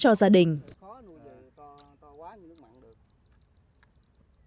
trước giai đoạn mình đưa xuống ao nuôi mình phải có một thao tác thường hóa đó là làm trên những bể dèo bé để mình nuôi được